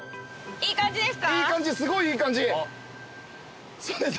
いい感じすごいいい感じ。